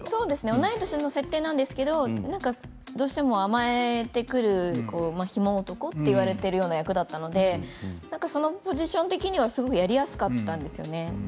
同い年の設定なんですけれどどうしても甘えてくるヒモ男といわれているような役だったのでそのポジション的にはすごくやりやすかったんですよね。